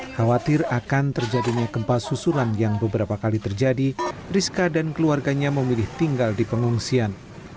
khawatir akan terjadinya gempa susulan yang beberapa kali terjadi rizka dan keluarganya memilih tinggal di pengungsian